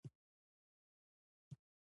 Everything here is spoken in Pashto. رومي ښېګڼې